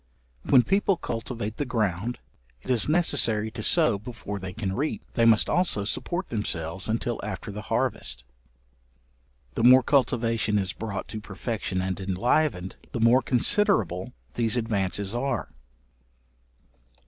When people cultivate the ground, it is necessary to sow before they can reap; they must also support themselves until after the harvest. The more cultivation is brought to perfection and enlivened, the more considerable these advances are.